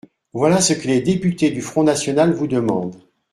Voilà ce que les députés du Front national vous demandent.